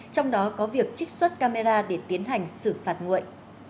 trong đó có việc trích xuất camera để tiến hành xử phạt nguội